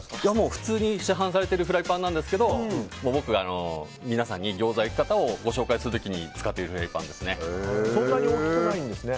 普通に市販されてるフライパンなんですけど僕が皆さんにギョーザの焼き方をご紹介する時に使っているフライパンですね。